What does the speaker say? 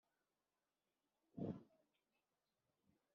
Nujya Mu Mugi Ungurire Imvaho Nshya